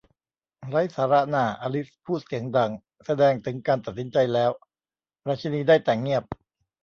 ไร้สาระน่า อลิซพูดเสียงดังแสดงถึงการตัดสินใจแล้ว ราชินีได้แต่เงียบ